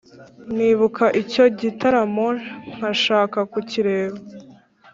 nibuka icyo gitaramo nkashaka kukireba.